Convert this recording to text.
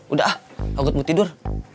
udah ah agut mau tidur